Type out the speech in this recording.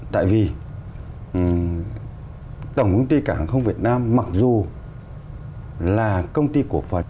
tại vì tổng công ty càng hàng không việt nam mặc dù là công ty của phật